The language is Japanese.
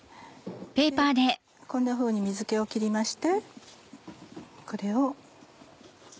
こんなふうに水気を切りましてこれを。